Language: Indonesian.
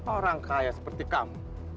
orang kaya seperti kamu